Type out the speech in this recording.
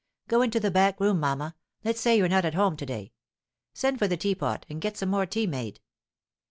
"Go into the back room, mamma. Let's say you're not at home to day. Send for the teapot, and get some more tea made."